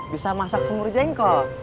bisa masak semur jengkol